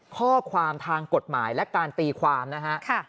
ข้อความทางกฎหมายและการตีความนะฮะ